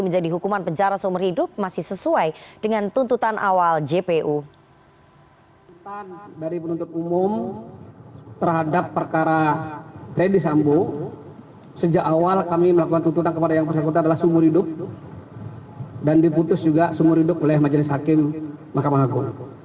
menjadi hukuman penjara seumur hidup masih sesuai dengan tuntutan awal